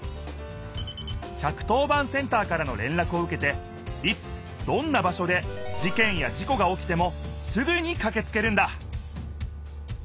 １１０番センターからのれんらくをうけていつどんな場所で事件や事故がおきてもすぐにかけつけるんだ！